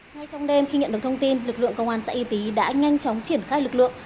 ngay trong đêm khi nhận được thông tin lực lượng công an xã y tý đã nhanh chóng triển khai lực lượng